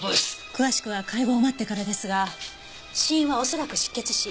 詳しくは解剖を待ってからですが死因はおそらく失血死。